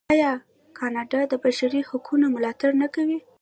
آیا کاناډا د بشري حقونو ملاتړ نه کوي؟